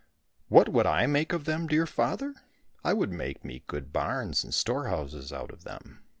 " What would I make of them, dear father ? I would make me good barns and store houses out of them.